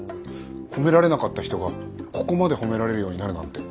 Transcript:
褒められなかった人がここまで褒められるようになるなんて。